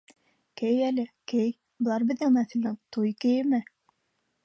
Кей әле, кей, былар беҙҙең нәҫелдең туй кейеме.